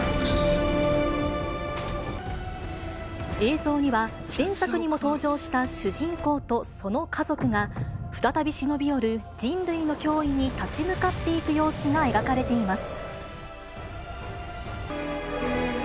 映像には、前作にも登場した主人公とその家族が、再び忍び寄る人類の脅威に立ち向かっていく様子が描かれています。